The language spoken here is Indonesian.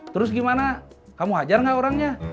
terus gimana kamu hajar nggak orangnya